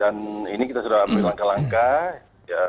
dan ini kita sudah melakukan langkah langkah